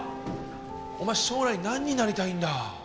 お前将来何になりたいんだ？